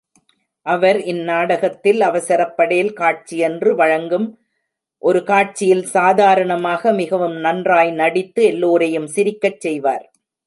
அவர் இந்நாடகத்தில் அவசரப்படேல் காட்சியென்று வழங்கும் ஒரு காட்சியில் சாதாரணமாக மிகவும் நன்றாய் நடித்து எல்லோரையும் சிரிக்கச் செய்வார்.